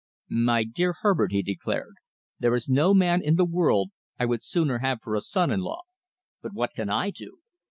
"My dear Herbert," he declared, "there is no man in the world I would sooner have for a son in law. But what can I do?